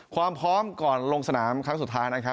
ความพร้อมก่อนลงสนามครั้งสุดท้ายนะครับ